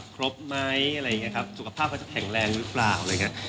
ครบไหมอะไรอย่างนี้ครับสุขภาพเขาจะแข็งแรงหรือเปล่าอะไรอย่างเงี้ย